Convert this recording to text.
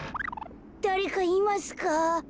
だれかいますか？